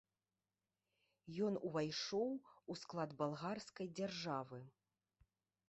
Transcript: Ён увайшоў у склад балгарскай дзяржавы.